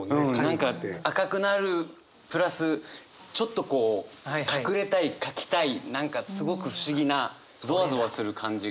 何か赤くなるプラスちょっとこう隠れたいかきたい何かすごく不思議なゾワゾワする感じが。